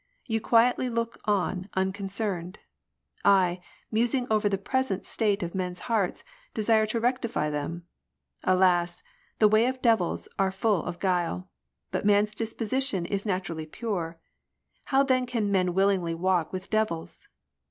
You quietly look on unconcerned ! I, musing over the present state of men*s hearts, Desire to rectify them. Alas ! the ways of devils are full of guile ! But man's disposition is naturally pure. How then can men willingly walk with devils